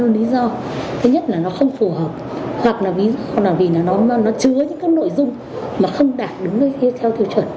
thứ nhất là nó không phù hợp hoặc là vì nó chứa những cái nội dung mà không đạt đúng theo thiêu chuẩn